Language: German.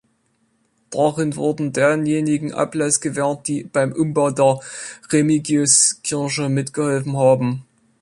Darin wurden denjenigen Ablass gewährt, die beim Umbau der Remigiuskirche mitgeholfen haben.